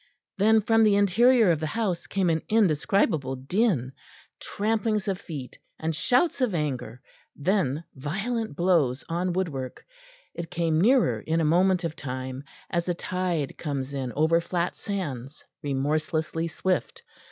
Then from the interior of the house came an indescribable din, tramplings of feet and shouts of anger; then violent blows on woodwork. It came nearer in a moment of time, as a tide comes in over flat sands, remorselessly swift.